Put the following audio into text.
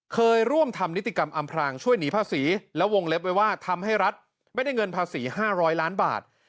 เคยร่วมทำนิติกรรมอำพรางช่วยหนีภาษีและวงเล็บไว้ว่าทำให้รัฐไม่ได้เงินภาษี๕๐๐ล้านบาท